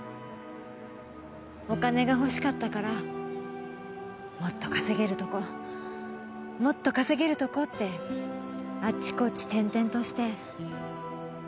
お金がほしかったからもっと稼げるとこもっと稼げるとこってあっちこっち転々として。